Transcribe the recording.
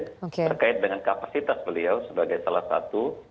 terkait dengan kapasitas beliau sebagai salah satu